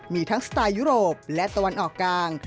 มีทั้งสไตล์ยุโรปและตะวันออกกลาง